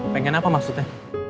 pengen apa maksudnya